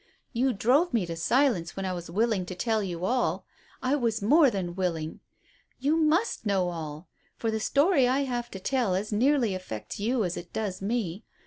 You drove me to silence when I was willing to tell you all I was more than willing. You must know all, for the story I have to tell as nearly affects you as it does me.